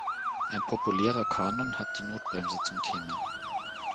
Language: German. Ein populärer Kanon hat die Notbremse zum Thema.